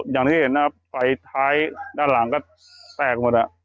อย่างที่เห็นนะครับไฟท้ายด้านหลังก็แตกหมด